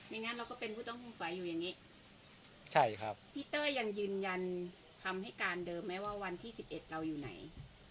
งั้นเราก็เป็นผู้ต้องสงสัยอยู่อย่างนี้ใช่ครับพี่เต้ยยังยืนยันคำให้การเดิมไหมว่าวันที่สิบเอ็ดเราอยู่ไหน